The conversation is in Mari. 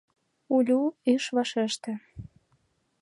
Улю ыш вашеште.